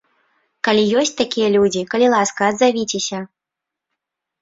Калі ёсць такія людзі, калі ласка, адзавіцеся!